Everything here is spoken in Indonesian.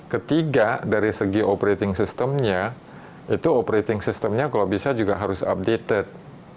ketiga dari segi operating systemnya itu operating systemnya kalau bisa juga harus updated